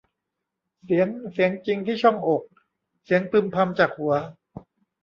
เสียง เสียงจริงที่ช่องอก เสียงพึมพำจากหัว